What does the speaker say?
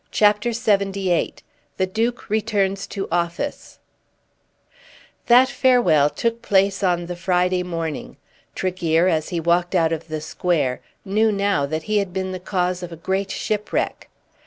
CHAPTER LXXVIII The Duke Returns to Office That farewell took place on the Friday morning. Tregear as he walked out of the Square knew now that he had been the cause of a great shipwreck.